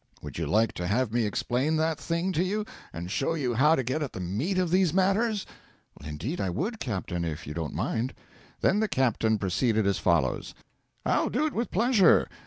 Would you like to have me explain that thing to you, and show you how to get at the meat of these matters?' 'Indeed, I would, captain, if you don't mind.' Then the captain proceeded as follows: 'I'll do it with pleasure.